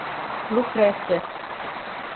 Lucrécia